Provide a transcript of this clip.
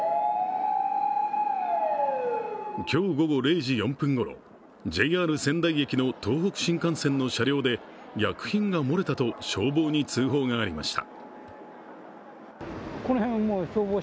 今日午後０時４分ごろ、ＪＲ仙台駅の東北新幹線の車両で薬品が漏れたと消防に通報がありました。